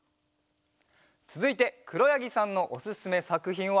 つづいてくろやぎさんのおすすめさくひんは。